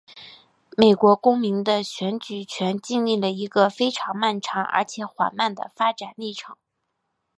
美国公民的选举权经历了一个非常漫长而且缓慢的发展历程。